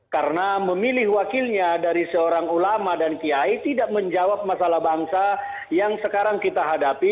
karena memilih wakilnya dari seorang ulama dan kiai tidak menjawab masalah bangsa yang sekarang kita hadapi